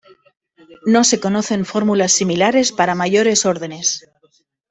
No se conocen fórmulas similares para mayores órdenes.